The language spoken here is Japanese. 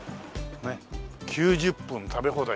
９０分食べ放題。